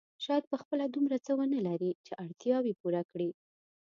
شاید په خپله دومره څه ونه لري چې اړتیاوې پوره کړي.